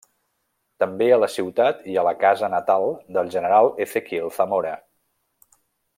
També a la Ciutat hi ha la Casa Natal del General Ezequiel Zamora.